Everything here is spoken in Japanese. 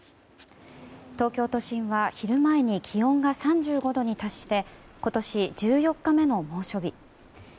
東京都心は昼前に気温が３５度に達して今年１４日目の猛暑日。